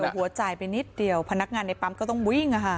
หัวใจไปนิดเดียวพนักงานในปั๊มก็ต้องวิ่ง